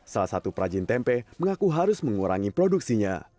salah satu perajin tempe mengaku harus mengurangi produksinya